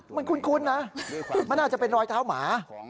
มันคุ้นนะมันอาจจะเป็นรอยเท้าหมา